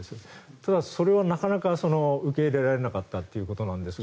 ただ、それはなかなか受け入れられなかったということですが。